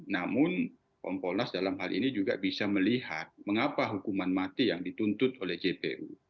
namun kompolnas dalam hal ini juga bisa melihat mengapa hukuman mati yang dituntut oleh jpu